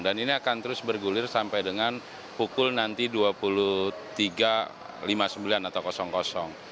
dan ini akan terus bergulir sampai dengan pukul nanti dua puluh tiga lima puluh sembilan atau kosong kosong